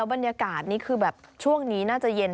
บรรยากาศนี้คือแบบช่วงนี้น่าจะเย็น